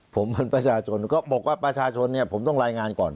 ผมเป็นประชาชนก็บอกว่าประชาชนเนี่ยผมต้องรายงานก่อน